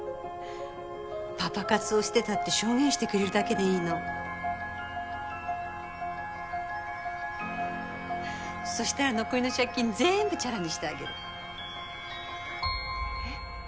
パパ活をしてたって証言してくれるだけでそしたら残りの借金全部チャラにしてあげえ！？